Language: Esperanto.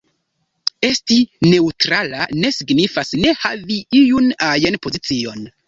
Esti “neǔtrala” ne signifas ne havi iun ajn pozicion.